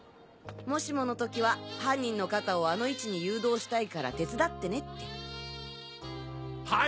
もしもの時は犯人の肩をあの位置に誘導したいから手伝ってねって。